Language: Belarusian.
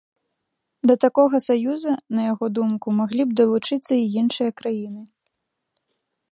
Да такога саюза, на яго думку, маглі б далучыцца і іншыя краіны.